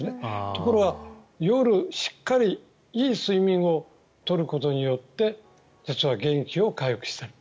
ところが、夜しっかりいい睡眠を取ることによって実は元気を回復している。